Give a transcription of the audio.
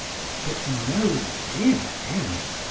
But no, dear M.